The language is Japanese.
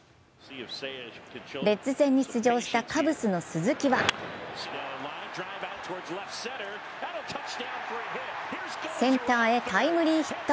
レッズ戦に出場したカブスの鈴木はセンターへタイムリーヒット。